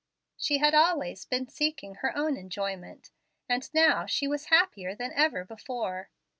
She had always been seeking her own enjoyment, and now she was happier than ever before.